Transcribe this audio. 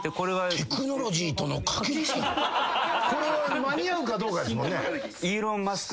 これは間に合うかどうかですもんね。